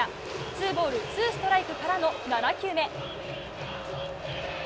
ツーボールツーストライクからの７球目。